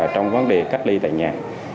trong vấn đề cách ly tại nhà